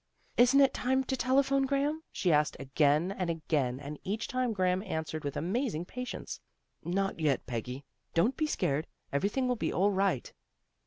" Isn't it time to telephone, Graham? " she asked again and again, and each time Graham answered with amazing patience. " Not yet, Peggy. Don't be scared. Every thing will be all right."